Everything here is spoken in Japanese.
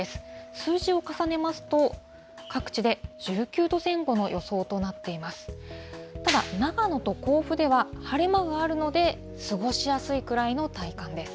数字を重ねますと、各地で１９度前後の予想となっています。